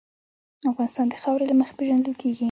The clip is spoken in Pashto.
افغانستان د خاوره له مخې پېژندل کېږي.